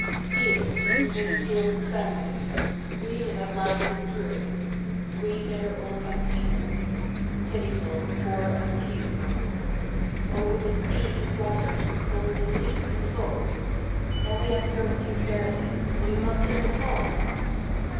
'Steel! We were steel to stand it We that have lasted through, We that are old campaigners Pitiful, poor, and few. 'Over the sea you brought us, Over the leagues of foam: Now we have served you fairly Will you not take us home?